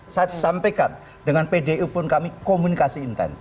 saya sampaikan dengan pdu pun kami komunikasi intent